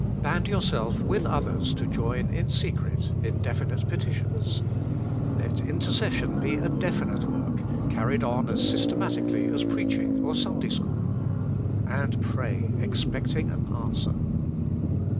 Band yourself with others to join in secret in definite petitions. Let intercession be a definite work, carried on as systematically as preaching or Sunday school. And pray, expecting an answer.